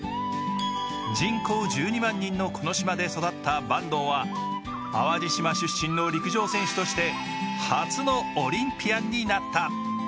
人口１２万人のこの島で育った坂東は淡路島出身の陸上選手として初のオリンピアンになった。